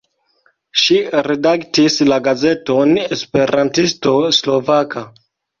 Ŝi redaktis la gazeton Esperantisto Slovaka.